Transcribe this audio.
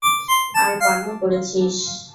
আর পানও করেছিস।